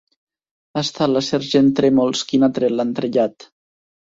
Ha estat la sergent Trèmols qui n'ha tret l'entrellat.